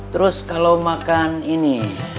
terus kalau makan ini